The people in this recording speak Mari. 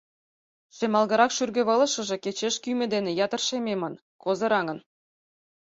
Шемалгырак шӱргӧвылышыже кечеш кӱмӧ дене ятыр шемемын, козыраҥын.